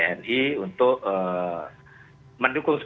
mereka bisa melakukan apa yang mereka inginkan